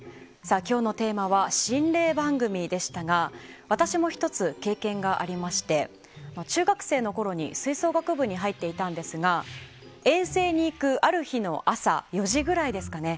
今日のテーマは心霊番組でしたが私も１つ経験がありまして中学生のころに吹奏楽部に入っていたんですが遠征に行くある日の朝４時ぐらいですかね。